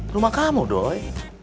rumah kamu doi